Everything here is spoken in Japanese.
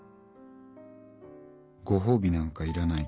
ご褒美なんかいらない。